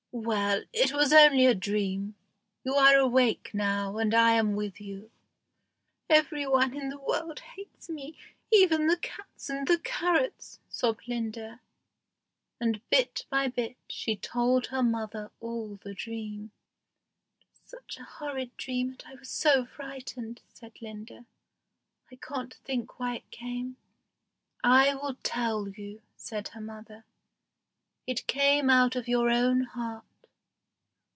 "Well, it was only a dream. You are awake now, and I am with you." "Every one in the world hates me, even the cats and the carrots," sobbed Linda, and bit by bit she told her mother all her dream. "It was such a horrid dream, and I was so frightened," said Linda, "I can't think why it came." "I will tell you," said her mother; "it came out of your own heart.